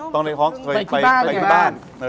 ตอนในท้องเคยไปกินบ้าน